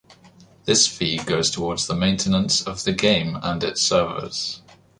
This fee goes toward the maintenance of the game and its servers.